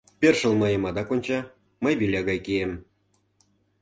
Першыл мыйым адак онча, мый виля гай кием.